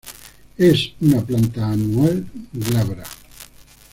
Es una planta anual, glabra.